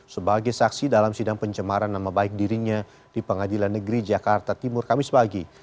sebagai saksi dalam sidang pencemaran nama baik dirinya di pengadilan negeri jakarta timur kamis pagi